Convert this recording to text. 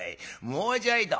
もうちょいと。